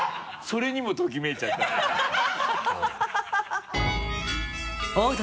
それにもときめいちゃった